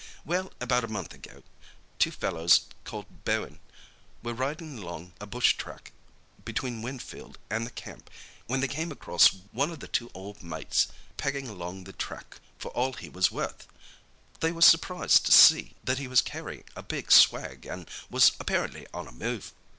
"Well, about a month ago two fellows called Bowen was riding along a bush track between Winfield an' their camp when they came across one o' the ol' mates peggin' along the track for all he was worth. They was surprised to see that he was carryin' a big swag, an' was apparently on a move.